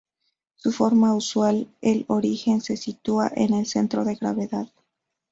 De forma usual el origen se sitúa en el centro de gravedad.